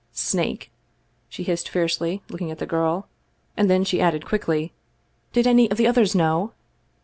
"Snake!" she hissed fiercely, looking at the girl; and then she added quickly: " Did any of the others know?